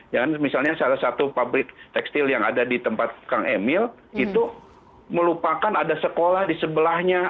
ya misalnya salah satu pabrik tekstil yang ada di tempat kang emil itu melupakan ada sekolah di sebelahnya